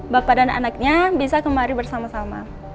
bapak dan anaknya bisa kemari bersama sama